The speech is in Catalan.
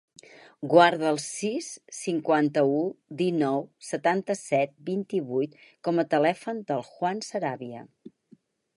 Guarda el sis, cinquanta-u, dinou, setanta-set, vint-i-vuit com a telèfon del Juan Saravia.